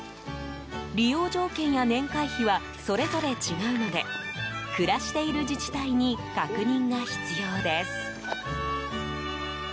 利用条件や年会費はそれぞれ違うので暮らしている自治体に確認が必要です。